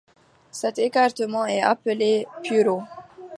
Cet écartement est appelé pureau.